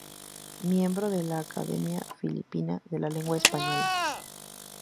Miembro de la Academia Filipina de la Lengua Española.